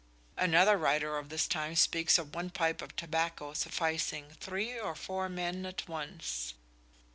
Another writer of this time speaks of one pipe of tobacco sufficing "three or four men at once."